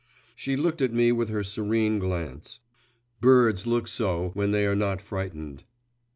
She looked at me with her serene glance. Birds look so when they are not frightened.